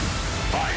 はい！